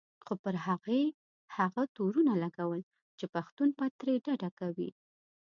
خو پر هغې هغه تورونه لګول چې پښتون پت ترې ډډه کوي.